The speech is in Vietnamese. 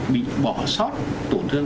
bị bỏ sót tổn thương